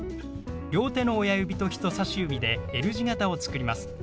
両手の親指と人さし指でＬ字型を作ります。